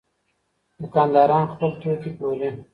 دوکانداران خپل توکي پلوري.